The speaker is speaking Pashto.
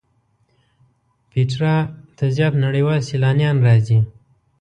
پېټرا ته زیات نړیوال سیلانیان راځي.